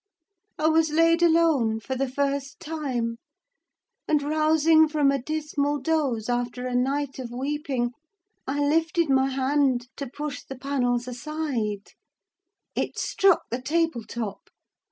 I was laid alone, for the first time; and, rousing from a dismal doze after a night of weeping, I lifted my hand to push the panels aside: it struck the table top!